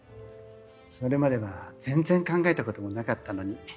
それまでは全然考えたこともなかったのに。